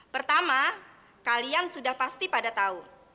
pertama kalian sudah pasti pada tahu